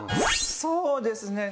そうですね。